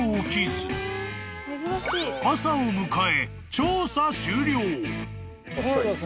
［朝を迎え］